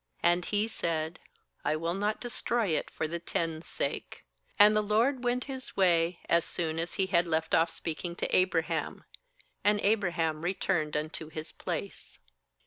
And He said: 'I will not destroy it for the ten's sake.' the LOBD went His way, as soon as He had left off speaking to Abra ham; and Abraham returned unto his place.